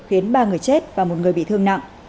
khiến ba người chết và một người bị thương nặng